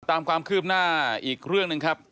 ตามความคืบหน้าอีกเรื่องหนึ่งครับ